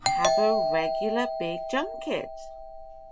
"Have a regular big junket."